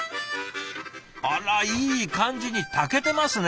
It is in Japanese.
あらいい感じに炊けてますね。